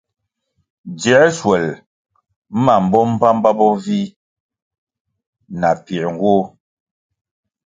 Dziē shwel mam bo mbpambpambo bo vih na piē nwoh.